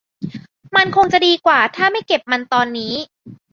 มันคงจะดีกว่าถ้าไม่เก็บมันตอนนี้